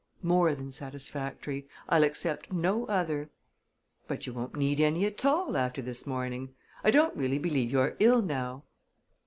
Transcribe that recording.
"More than satisfactory; I'll accept no other." "But you won't need any at all, after this morning I don't really believe you're ill now!"